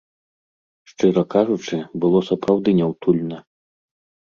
Шчыра кажучы, было сапраўды няўтульна.